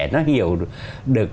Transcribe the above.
nó hiểu được